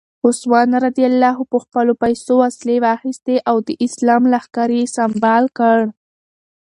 عثمان رض په خپلو پیسو وسلې واخیستې او د اسلام لښکر یې سمبال کړ.